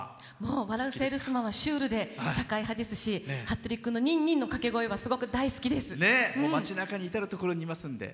「笑ゥせぇるすまん」はシュールで社会派ですし「ハットリくん」のニンニンの掛け声が大好きです。